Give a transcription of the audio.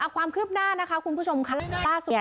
ความคืบหน้านะคะคุณผู้ชมข้าสวัสดีค่ะ